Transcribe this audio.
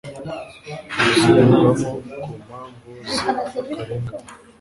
gusubirwamo ku mpamvu z akarengane